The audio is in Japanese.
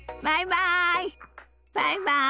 バイバイ。